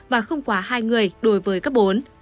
và không quá hai người đối với cấp bốn